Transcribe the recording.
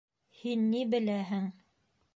Һин ни беләһең?